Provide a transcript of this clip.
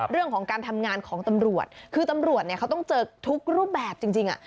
เรื่องของการทำงานของตำรวจคือตำรวจเนี่ยเขาต้องเจอทุกรูปแบบจริงอ่ะ